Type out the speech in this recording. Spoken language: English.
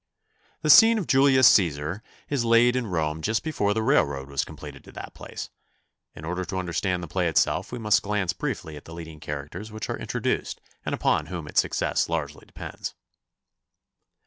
The scene of "Julius Cæsar" is laid in Rome just before the railroad was completed to that place. In order to understand the play itself we must glance briefly at the leading characters which are introduced and upon whom its success largely depends.